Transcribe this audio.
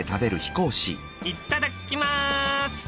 いただきます！